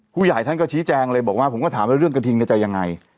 ผู้ใหญ่ท่านก็ชี้แจงเลยบอกว่าผมก็ถามว่าเรื่องกระทิงจะยังไง